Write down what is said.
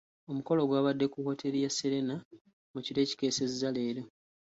Omukolo gwabadde ku wooteeri ya Serena mu kiro ekikeesezza leero.